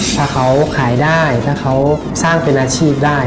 ถ้าเขาขายได้ถ้าเขาสร้างเป็นอาชีพได้